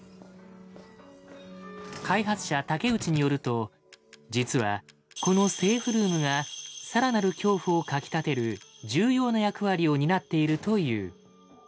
開発者竹内によると実はこのセーフルームがさらなる恐怖をかきたてる重要な役割を担っているという。